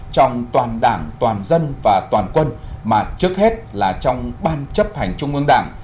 trong toàn đảng toàn dân và toàn quân mà trước hết là trong ban chấp hành trung ương đảng